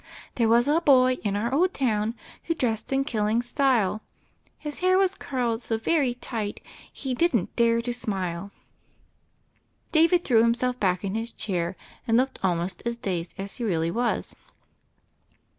'There was a boy in our old town Who dressed in killing style, His hair was curled so very tight He didn't dare to smile !'" David threw himself back in his chair, and looked almost as dazed as he really was.